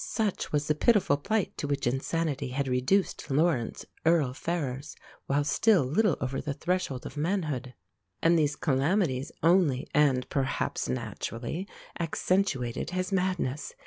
Such was the pitiful plight to which insanity had reduced Laurence, Earl Ferrers, while still little over the threshold of manhood; and these calamities only, and perhaps naturally, accentuated his madness.